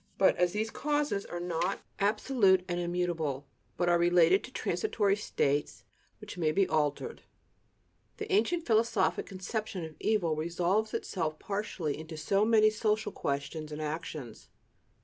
But as these causes are not absolute and immutable, but are related to transitory states which may be altered, the ancient philosophic conception of evil resolves itself partially into so many social questions and actions.